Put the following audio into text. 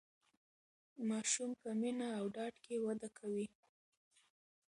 ماسوم په مینه او ډاډ کې وده کوي.